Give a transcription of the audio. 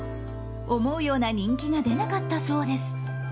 思うような人気が出なかったそうです。